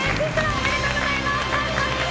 おめでとうございます。